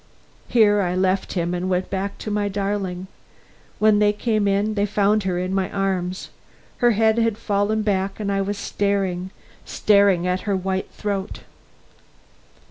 Here I left him and went back to my darling. When they came in, they found her in my arms. Her head had fallen back and I was staring, staring, at her white throat.